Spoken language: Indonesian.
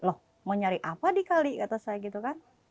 loh mau nyari apa dikali kata saya gitu kan